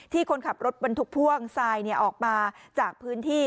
คนขับรถบรรทุกพ่วงทรายออกมาจากพื้นที่